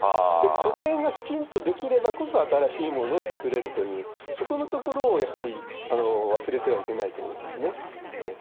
古典がきちんとできればこそ、新しいものを作れるという、そこのところをやはり忘れてはいけないと思いますね。